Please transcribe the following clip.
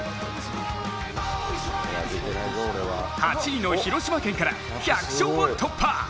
８位の広島県から１００勝を突破！